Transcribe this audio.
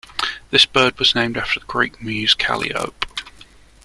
This bird was named after the Greek muse Calliope.